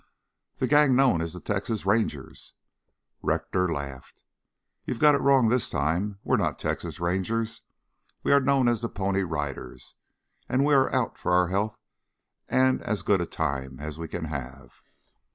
"The gang known as the Texas Rangers." Rector laughed. "You've got it wrong this time. We are not Texas Rangers. We are known as the Pony Riders and we are out for our health and as good a time as we can have."